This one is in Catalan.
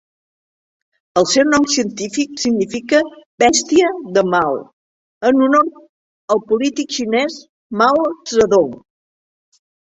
El seu nom científic significa "bèstia de Mao", en honor al polític xinès Mao Zedong.